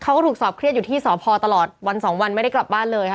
เขาก็ถูกสอบเครียดอยู่ที่สพตลอดวันสองวันไม่ได้กลับบ้านเลยค่ะ